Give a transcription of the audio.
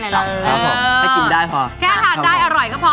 เอี๊ยะแค่ถาดได้อร่อยก็พอ